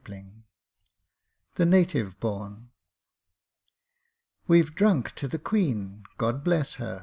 POETRY THE NATIVE BORN _We've drunk to the Queen God bless her!